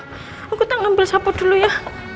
iya mbak aku tak ngambil sapu dulu ya